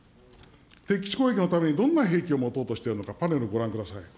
敵基地攻撃のためにどんな兵器を持とうしているのか、パネルをご覧ください。